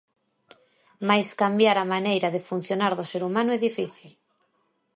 Mais cambiar a maneira de funcionar do ser humano é difícil.